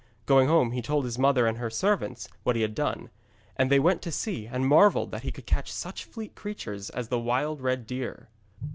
Going home, he told his mother and her servants what he had done, and they went to see, and marvelled that he could catch such fleet creatures as the wild red deer.